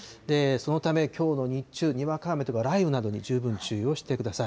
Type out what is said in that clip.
そのため、きょうの日中、にわか雨とか雷雨に十分注意をしてください。